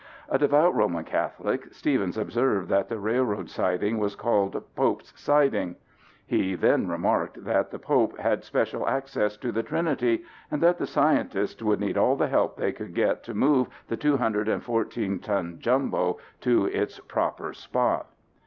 "A devout Roman Catholic, Stevens observed that the railroad siding was called 'Pope's Siding.' He [then] remarked that the Pope had special access to the Trinity, and that the scientists would need all the help they could get to move the 214 ton Jumbo to its proper spot."